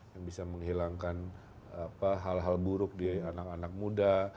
yang bisa menghilangkan hal hal buruk di anak anak muda